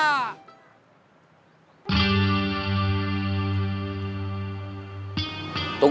ican udah datang